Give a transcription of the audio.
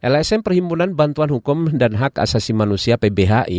lsm perhimpunan bantuan hukum dan hak asasi manusia pbhi